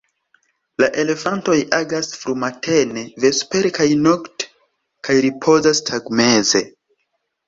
La elefantoj agas frumatene, vespere kaj nokte kaj ripozas tagmeze.